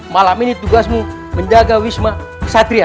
malam ini tugasmu menjaga wisma sati wisma